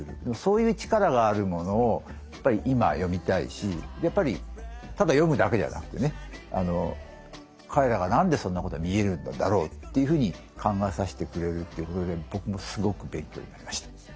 でもそういう力があるものをやっぱり今読みたいしやっぱりただ読むだけじゃなくてね彼らが何でそんなこと見えるんだろうというふうに考えさせてくれるっていうことで僕もすごく勉強になりました。